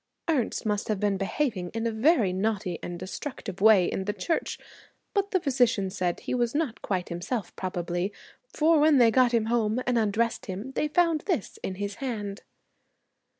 'Ernest must have been behaving in a very naughty and destructive way in the church but the physician said he was not quite himself probably, for when they got him home and undressed him they found this in his hand.'